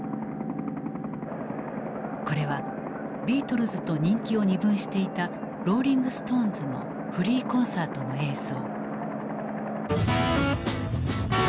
これはビートルズと人気を二分していたローリング・ストーンズのフリー・コンサートの映像。